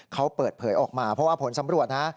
เขาเปิดเผยออกมาเพราะว่าผลสำรวจนะ